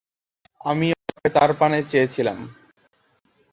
আমিও অবাক হয়ে তাঁর পানে চেয়ে ছিলাম।